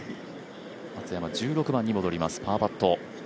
松山１６番に戻ります、パーパット。